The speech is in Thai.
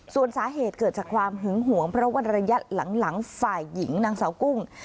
ส่วนสาเหตุเกิดจากความหึงหวงเพราะว่าระยะหลังฝ่ายหญิงนางสาวกุ้ง